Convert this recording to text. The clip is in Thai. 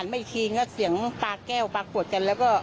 เริ่มโพสต์ด่าอะไรกันนี่แหละ